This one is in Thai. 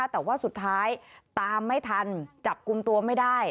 แต่ว่าสุดท้ายตามไม่ทันจับกลุ่มตัวไม่ได้